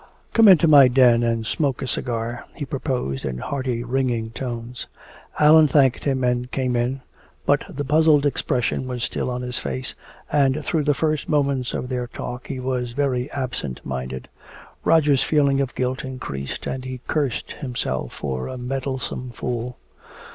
"Come into my den and smoke a cigar!" he proposed in hearty ringing tones. Allan thanked him and came in, but the puzzled expression was still on his face, and through the first moments of their talk he was very absent minded. Roger's feeling of guilt increased, and he cursed himself for a meddlesome fool.